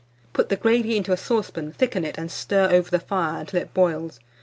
Put the gravy into a saucepan, thicken it, and stir over the fire until it boils.